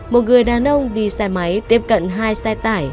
một người đàn ông đi xe máy tiếp cận hai xe tải